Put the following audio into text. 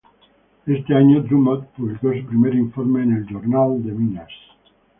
Este año, Drummond publicó su primer informe, en el Jornal de Minas.